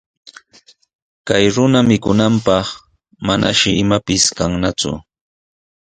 Chay runa mikunanpaq manashi imapis kannaku.